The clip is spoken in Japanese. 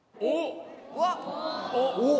おっ！